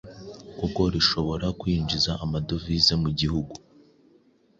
kuko rishobora kwinjiza amadovize mu gihugu